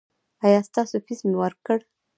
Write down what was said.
ایا ستاسو فیس مې ورکړ؟